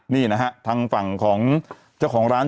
นี่นะฮะทางฝั่งของเจ้าของร้าน